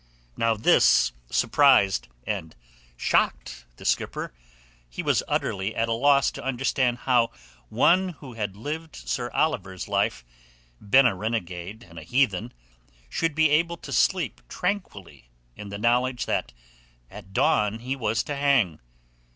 Now this surprised and shocked the skipper. He was utterly at a loss to understand how one who had lived Sir Oliver's life, been a renegade and a heathen, should be able to sleep tranquilly in the knowledge that at dawn he was to hang.